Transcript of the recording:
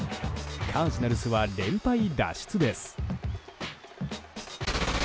カージナルスは連敗脱出です。